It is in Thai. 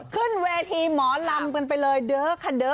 ขึ้นเวทีหมอลำกันไปเลยเด้อค่ะเด้อ